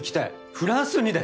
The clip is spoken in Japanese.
フランスにだよ！